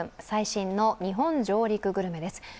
最新の日本上陸グルメです。